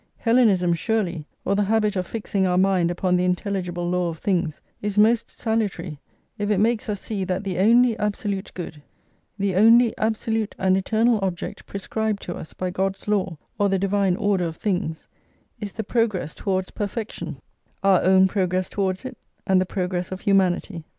Hellenism, surely, or the habit of fixing our mind upon the intelligible law of things, is most salutary if it makes us see that the only absolute good, the only absolute and eternal object prescribed to us by God's law, or the divine order of things, is the progress towards perfection, our own progress towards it and the progress of humanity.